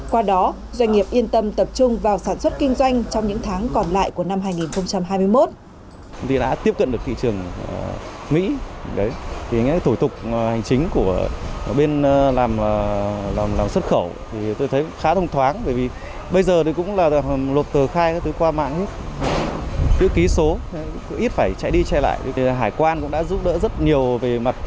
qua đó doanh nghiệp yên tâm tập trung vào sản xuất kinh doanh trong những tháng còn lại của năm hai nghìn hai mươi một